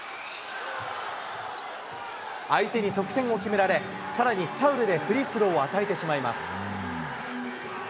相手に得点を決められ、さらにファウルでフリースローを与えてしまいます。